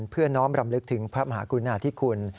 เพื่อน้อมรำลึกถึงพระมหากุณาธิคุณ